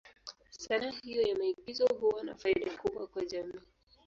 Sanaa hiyo ya maigizo huwa na faida kubwa kwa jamii.